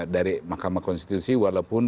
dari mahkamah konstitusi walaupun